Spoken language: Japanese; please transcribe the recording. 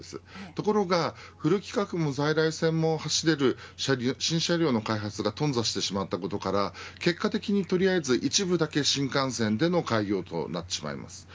ところがフル規格の在来線も走れる新車両の開発が頓挫してしまったことから結果的にとりあえず、一部だけ新幹線での開業となってしまいます。